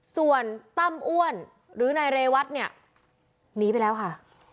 ส่วนตั้มอ้วนหรือนายเรวัตเนี่ยหนีไปแล้วค่ะ